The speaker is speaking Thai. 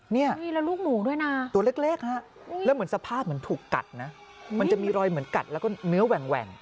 นี่ตัวเล็กนะแล้วเหมือนสภาพถูกกัดนะมันจะมีรอยเหมือนกัดแล้วก็เนื้อแหว่ง